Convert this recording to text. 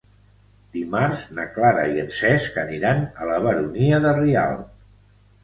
Dimarts na Clara i en Cesc aniran a la Baronia de Rialb.